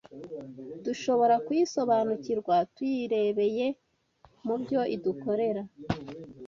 Dushobora kuyisobanukirwa tuyirebeye mu byo idukorera